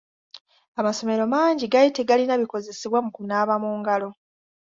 Amasomero mangi gaali tegalina bikozesebwa mu kunaaba mu ngalo.